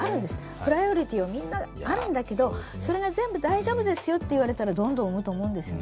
プライオリティーがみんなあるんですけれどもそれが全部大丈夫ですよと言われたらどんどん産むと思うんですよね。